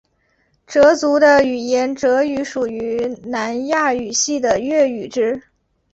哲族的语言哲语属于南亚语系的越语支。